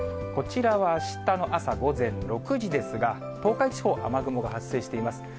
こちらは、あしたの朝午前６時ですが、東海地方、雨雲が発生しています。